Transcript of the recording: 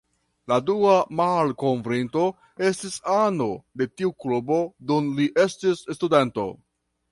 La dua malkovrinto estis ano de tiu klubo dum li estis studento.